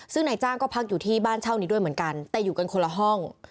ซึ่งนายจ้างก็พักอยู่ที่บ้านเช่านี้ด้วยเหมือนกันแต่อยู่กันคนละห้อง